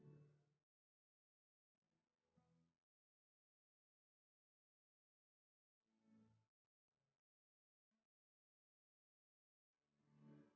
kalian da ni baju ga ada